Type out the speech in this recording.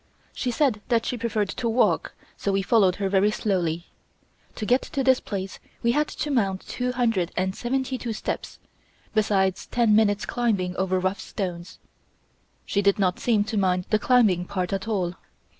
She said that she preferred to walk, so we followed her very slowly. To get to this place we had to mount two hundred and seventy two steps, besides ten minutes' climbing over rough stones. She did not seem to mind the climbing part at all.